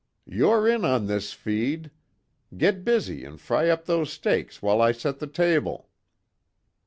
"You're in on this feed! Get busy and fry up those steaks while I set the table."